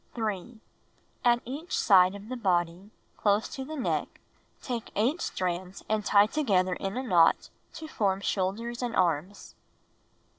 3. At each side of the body, close to the neck, take 8 strands and tie together in a knot to form shoulders and arms.